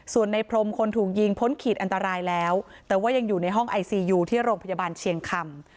ส่วนในพรมคนถูกยิงพ้นขีดอันตรายแล้วแต่ว่ายังอยู่ในห้องไอซียูที่โรงพยาบาลเชียงคำ